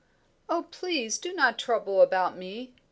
"Oh, please do not trouble about me!"